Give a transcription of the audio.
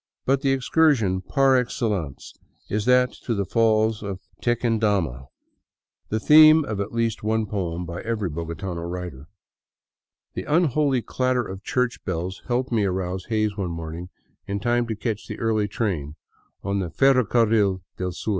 But the excursion par excellence is that to the falls of Tequendama, 35 VAGABONDING DOWN THE ANDES the theme of at least one poem by every bogotano writer. The unholy clatter of church bells helped me arouse Hays one morning in time to catch the early train on the *' Ferrocarril del Sur."